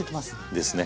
ですね。